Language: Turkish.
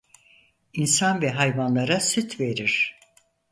İnsan ve hayvanlara süt verir.